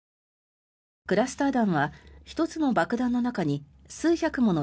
クラスター弾は１つの爆弾の中に数百もの